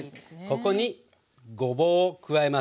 ここにごぼうを加えます。